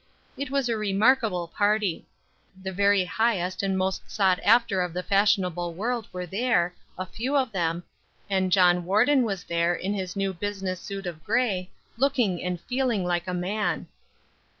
It was a remarkable party. The very highest and most sought after of the fashionable world were there, a few of them, and John Warden was there in his new business suit of grey, looking and feeling like a man.